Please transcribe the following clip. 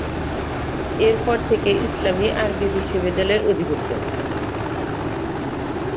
এরপর থেকে ইসলামি আরবি বিশ্ববিদ্যালয়ের অধিভুক্ত।